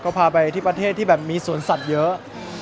ก็พาไปที่ประเทศที่แบบมีสวนสัตว์เยอะ